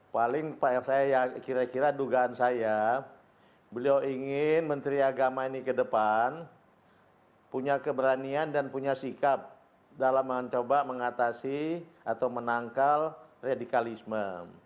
paling saya kira kira dugaan saya beliau ingin menteri agama ini ke depan punya keberanian dan punya sikap dalam mencoba mengatasi atau menangkal radikalisme